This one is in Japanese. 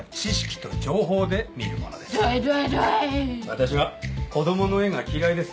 私は子供の絵が嫌いです。